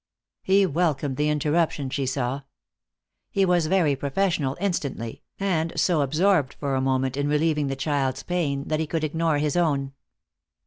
He welcomed the interruption, she saw. He was very professional instantly, and so absorbed for a moment in relieving the child's pain that he could ignore his own.